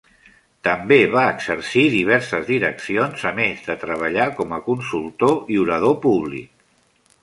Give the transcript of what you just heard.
També va exercir diverses direccions, a més de treballar com a consultor i orador públic.